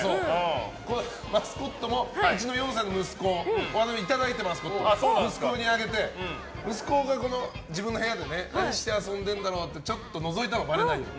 マスコットもうちの４歳の息子いただいて、息子にあげて息子が自分の部屋でね何して遊んでるんだろうってちょっとのぞいたのばれないように。